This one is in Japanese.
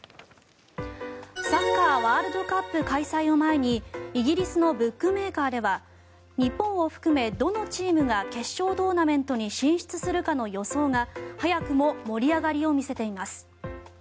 サッカーワールドカップ開催を前にイギリスのブックメーカーでは日本を含め、どのチームが決勝トーナメントに進出するかの予想が早くも盛り上がりを見せています。